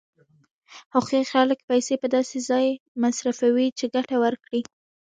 هوښیار خلک پیسې په داسې ځای مصرفوي چې ګټه ورکړي.